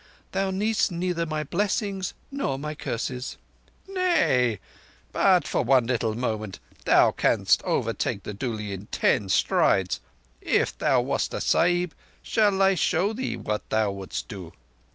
"Thou needest neither my blessings nor my curses." "Nay. But for one little moment—thou canst overtake the dooli in ten strides—if thou wast a Sahib, shall I show thee what thou wouldst do?"